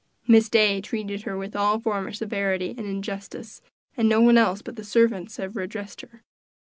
Miss Day treated her with all her former severity and injustice, and no one else but the servants ever addressed her.